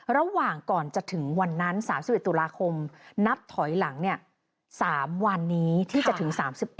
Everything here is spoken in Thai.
ระหว่างก่อนจะถึงวันนั้น๓๑ตุลาคมนับถอยหลัง๓วันนี้ที่จะถึง๓๑